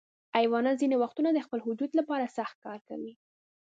حیوانات ځینې وختونه د خپل وجود لپاره سخت کار کوي.